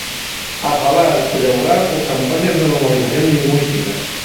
Afalar y collaborar con campañes de normalización llingüística.